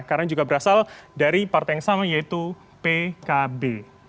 karena juga berasal dari partai yang sama yaitu pkb